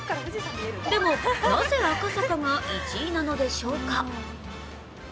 でも、なぜ、赤坂が１位なのでしょうか？